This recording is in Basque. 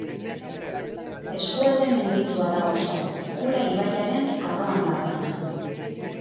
Eskualde menditsua da oso, Kura ibaiaren arroan dagoena.